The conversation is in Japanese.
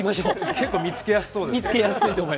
結構、見つけやすそうですね